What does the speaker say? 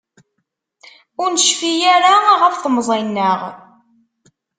Ur necfi ara ɣef temẓi-nneɣ.